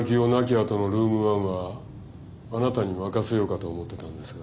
あとのルーム１はあなたに任せようかと思ってたんですが。